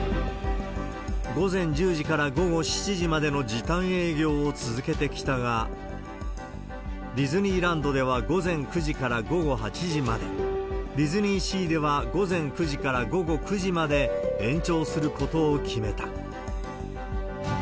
午前１０時から午後７時までの時短営業を続けてきたが、ディズニーランドでは午前９時から、午後８時まで、ディズニーシーでは午前９時から午後９時まで延長することを決めた。